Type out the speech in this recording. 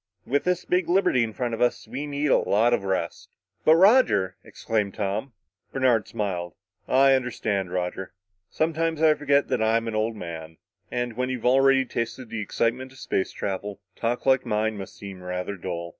With this big liberty in front of us, we need a lot of rest." "But, Roger!" exclaimed Tom. Bernard smiled. "I understand, Roger. Sometimes I forget that I'm an old man. And when you've already tasted the excitement of space travel, talk like mine must seem rather dull."